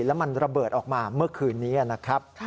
แล้วมันระเบิดออกมาเมื่อคืนนี้นะครับ